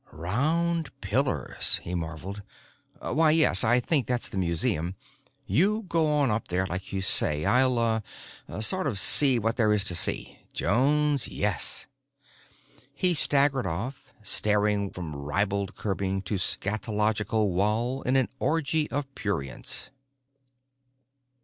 "Round pillars," he marveled. "Why, yes, I think that's the museum. You go on up there, like you say. I'll, uh, sort of see what there is to see. Jones, yes!" He staggered off, staring from ribald curbing to scatological wall in an orgy of prurience.